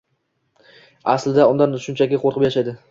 Aslida undan shunchaki qoʻrqib yashaydi.